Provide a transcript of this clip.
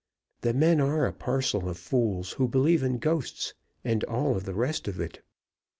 The men are a parcel of fools who believe in ghosts, and all the rest of it.